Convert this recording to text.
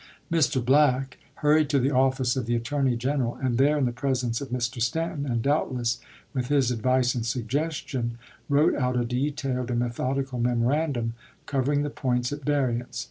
Mr. Black hurried to the office of the Attorney General, and there in the presence of Mr. Stanton, and doubtless with his advice and suggestion, wrote out a detailed and methodical memorandum, cov ering the points at variance.